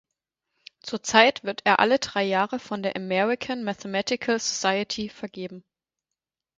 Zurzeit wird er alle drei Jahre von der American Mathematical Society vergeben.